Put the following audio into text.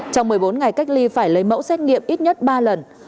trong một mươi bốn ngày cách ly phải lấy mẫu xét nghiệm ít nhất ba lần